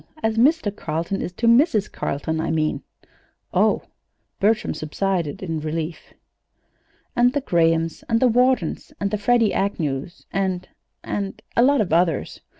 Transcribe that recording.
As Mr. Carleton is to Mrs. Carleton, I mean." "Oh!" Bertram subsided in relief. "And the Grahams and Whartons, and the Freddie Agnews, and and a lot of others.